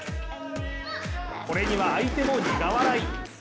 これには相手も苦笑い。